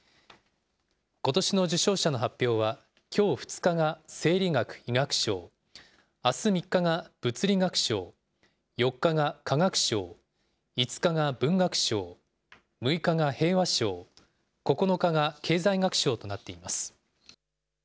ことしの受賞者の発表はきょう２日が生理学・医学賞、あす３日が物理学賞、４日が化学賞、５日が文学賞、６日が平和賞、９日が経済学賞となっています。